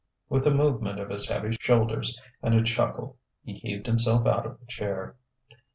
With a movement of his heavy shoulders and a chuckle he heaved himself out of the chair.